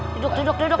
duduk duduk duduk